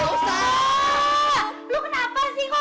kok mau jadi brandon lagi sama gue